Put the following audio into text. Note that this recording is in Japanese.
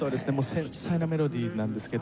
繊細なメロディーなんですけども。